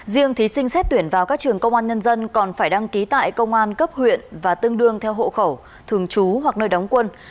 riêng thí sinh xét tuyển vào các trường công an nhân dân còn phải đăng ký tại công an cấp huyện và tương đương theo hộ khẩu thường trú hoặc nơi đóng quân